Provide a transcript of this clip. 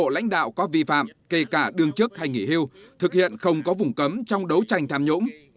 lãnh đạo có vi phạm kể cả đương chức hay nghỉ hưu thực hiện không có vùng cấm trong đấu tranh tham nhũng